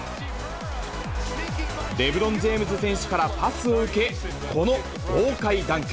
レブロン・ジェームズ選手からパスを受け、この豪快ダンク。